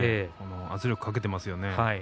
圧力かけていますね。